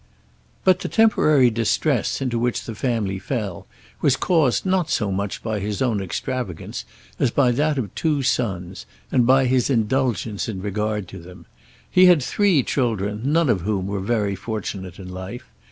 But the temporary distress into which the family fell was caused not so much by his own extravagance as by that of two sons, and by his indulgence in regard to them. He had three children, none of whom were very fortunate in life.